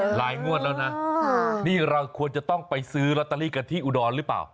งวดแล้วนะนี่เราควรจะต้องไปซื้อลอตเตอรี่กันที่อุดรหรือเปล่า